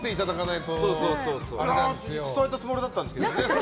いや、伝えたつもりだったんですけど。